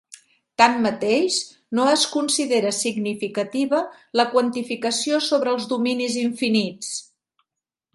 Tanmateix, no es considera significativa la quantificació sobre els dominis infinits.